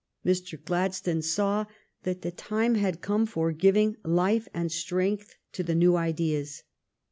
Mr. Gladstone saw that the time had come for giving life and strength to the new ideas.